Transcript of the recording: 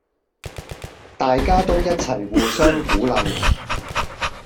大家都一齊互相鼓勵